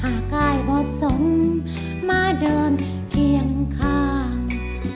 อากายบ่สมมาเดินเคียงข้าง